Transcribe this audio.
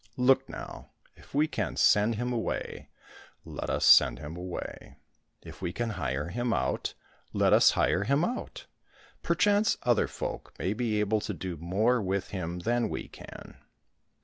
Look now, if we can send him away, let us send him away ; if we can hire him out, let us hire him out ; perchance other folk may be able to do more with him than we can."